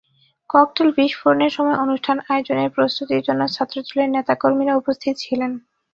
Cocktail বিস্ফোরণের সময় অনুষ্ঠান আয়োজনের প্রস্তুতির জন্য ছাত্রদলের নেতা কর্মীরা উপস্থিত ছিলেন।